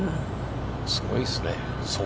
すごいですね。